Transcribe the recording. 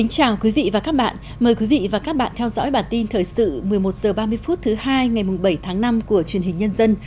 chào mừng quý vị đến với bản tin thời sự một mươi một h ba mươi thứ hai ngày bảy tháng năm của truyền hình nhân dân